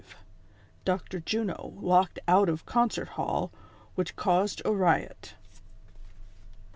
DR. JUNO LOCKED OUT OF CONCERT HALL, WHICH CAUSED A RIOT.